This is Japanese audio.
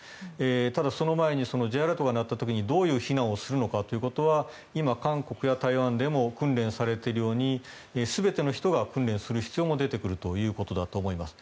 ただ、その前にＪアラートが鳴った時にどういう避難をするのかということは今、韓国や台湾でも訓練されているように全ての人が訓練する必要も出てくるということだと思います。